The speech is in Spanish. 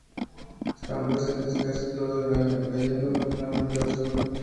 Están presentes casi todo el año, cayendo continuamente al suelo.